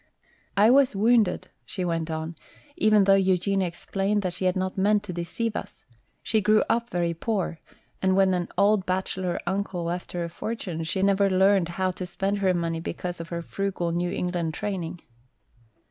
"I was wounded," she went on, "even though Eugenia explained that she had not meant to deceive us. She grew up very poor and when an old bachelor uncle left her a fortune she never learned how to spend her money because of her frugal New England training."